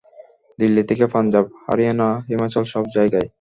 দিল্লি থেকে পাঞ্জাব, হারিয়ানা, হিমাচল সব জায়গায়।